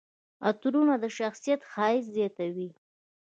عطرونه د شخصیت ښایست زیاتوي.